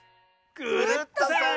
クルットさん！